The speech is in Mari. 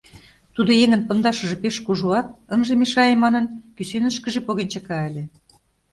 Тудо еҥын пондашыже пеш кужуат, ынже мешае манын, кӱсенышкыже поген чыка ыле.